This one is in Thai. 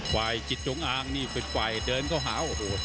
ฝ่ายจิตจงอางนี่เป็นฝ่ายเดินเข้าหาโอ้โห